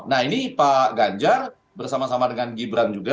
nah ini pak ganjar bersama sama dengan gibran juga